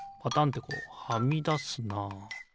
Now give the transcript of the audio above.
ッてこうはみだすなあ。